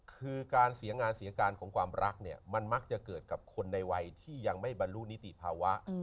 คือการเสียงานเสียการของความรักเนี่ยมันมักจะเกิดกับคนในวัยที่ยังไม่บรรลุนิติภาวะ